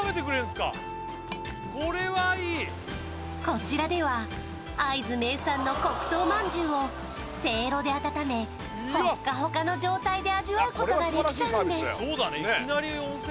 こちらでは会津名産の黒糖まんじゅうをせいろで温めホッカホカの状態で味わうことができちゃうんです